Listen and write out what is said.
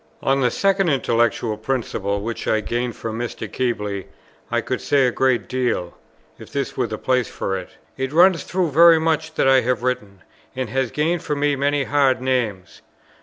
On the second intellectual principle which I gained from Mr. Keble, I could say a great deal; if this were the place for it. It runs through very much that I have written, and has gained for me many hard names.